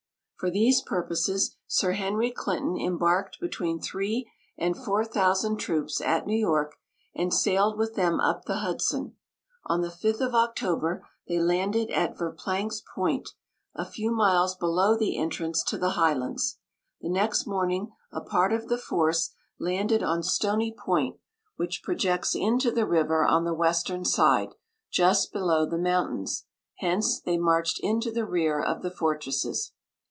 For these purposes Sir Henry Clinton embarked between three and four thousand troops at New York, and sailed with them up the Hudson. On the 5th of October they landed at Verplank's Point, a few miles below the entrance to the Highlands. The next morning, a part of the force landed on Stony Point, which projects into the river on the western side, just below the mountains; hence they marched into the rear of the fortresses.